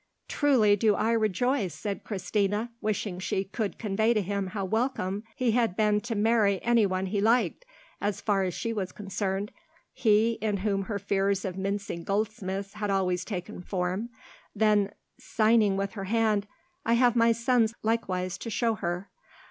"Truly do I rejoice!" said Christina, wishing she could convey to him how welcome he had been to marry any one he liked, as far as she was concerned—he, in whom her fears of mincing goldsmiths had always taken form—then signing with her hand, "I have my sons likewise to show her."